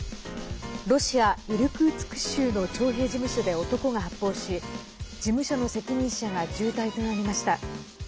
ロシア・イルクーツク州の徴兵事務所で男が発砲し事務所の責任者が重体となりました。